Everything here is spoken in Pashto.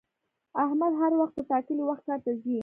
احمد هر وخت په ټاکلي وخت کار ته ځي